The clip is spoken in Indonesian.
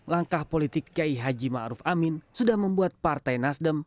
langkah politik kiai haji ma'ruf amin sudah membuat partai nasdem